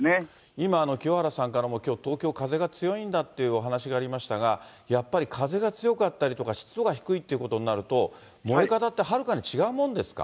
今、清原さんからも、きょう、東京、風が強いんだっていうお話がありましたが、やっぱり風が強かったりとか、湿度が低いということになると、燃え方ってはるかに違うもんですか？